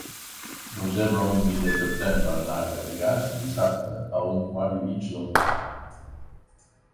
Reserva'm un bitllet de tren per anar a Garrigàs dissabte a un quart i mig d'onze.